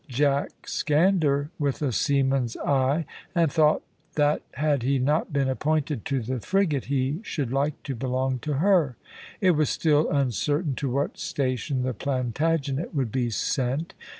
Jack scanned her with a seaman's eye, and thought that had he not been appointed to the frigate he should like to belong to her. It was still uncertain to what station the Plantagenet would be sent.